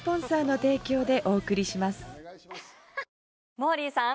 モーリーさん